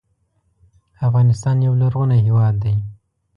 افغانستان یو لرغونی هېواد دی.